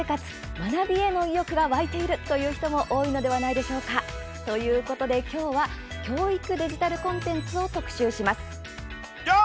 学びへの意欲が湧いている人も多いのではないでしょうか。ということで今日は教育デジタルコンテンツを特集します。